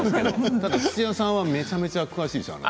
ただ、土屋さんはめちゃめちゃ詳しいでしょう？